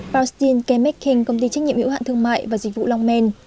palestine chemical company trách nhiệm hữu hạn thương mại và dịch vụ longmen